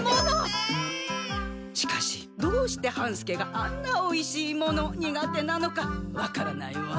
しかしどうして半助があんなおいしい物苦手なのかわからないわ。